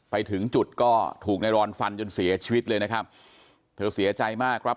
ไปถึงจุดก็ถูกในรอนฟันจนเสียชีวิตเลยนะครับเธอเสียใจมากครับ